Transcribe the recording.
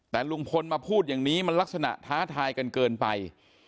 แต่ลุงพลมาพูดอย่างนี้มันลักษณะท้าทายกันเกินไป